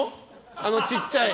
あのちっちゃい？